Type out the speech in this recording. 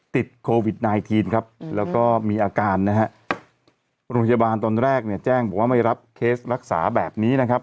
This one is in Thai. ติดโควิดไนทีนครับแล้วก็มีอาการนะฮะโรงพยาบาลตอนแรกเนี่ยแจ้งบอกว่าไม่รับเคสรักษาแบบนี้นะครับ